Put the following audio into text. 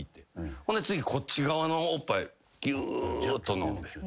ほんで次こっち側のおっぱいぎゅーっと飲んで。